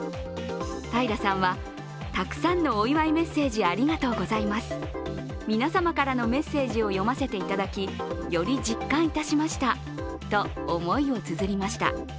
平さんはたくさんのお祝いメッセージありがとうございます、皆様のメッセージを読ませていただきより実感いたしましたと思いをつづりました。